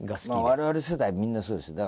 我々世代はみんなそうですよ。